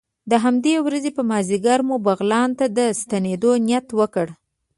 د همدې ورځې په مازدیګر مو بغلان ته د ستنېدو نیت وکړ.